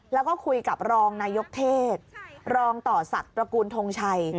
แล้วก็คุยกับรองนายกเทศรองต่อศักดิ์ตระกูลทงชัย